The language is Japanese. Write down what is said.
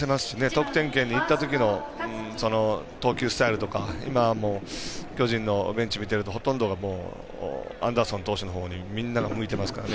得点圏にいったときの投球スタイルとか今、巨人のベンチ見てるとほとんどがもうアンダーソン投手のほうにみんなが向いてますから。